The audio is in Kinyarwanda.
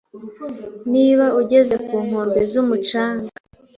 Niba ugeze ku nkombe zumucanga